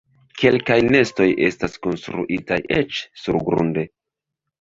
Kelkaj nestoj estas konstruitaj eĉ surgrunde.